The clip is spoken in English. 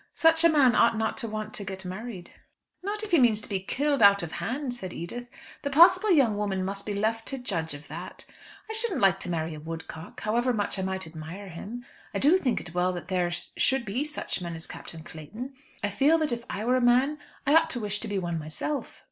Such a man ought not to want to get married." "Not if he means to be killed out of hand," said Edith. "The possible young woman must be left to judge of that. I shouldn't like to marry a 'woodcock,' however much I might admire him. I do think it well that there should be such men as Captain Clayton. I feel that if I were a man I ought to wish to be one myself.